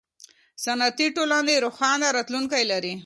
صنعتي ټولنې روښانه راتلونکی لري.